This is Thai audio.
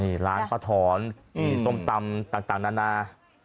นี่ร้านป้าถอนส้มตำต่างนานา